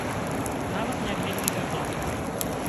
Нават не вельмі вядомых.